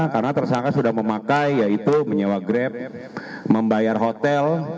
karena tersangka sudah memakai yaitu menyewa grab membayar hotel